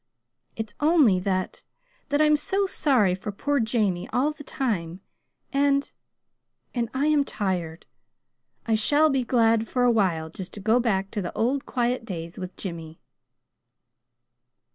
"It's only that that I'm so sorry for poor Jamie all the time; and and I am tired. I shall be glad, for a while, just to go back to the old quiet days with Jimmy."